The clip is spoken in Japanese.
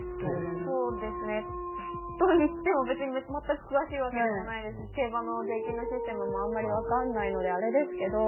そうですね。といっても別に全く詳しいわけでもないですし競馬の税金のシステムもあんまりわかんないのであれですけど。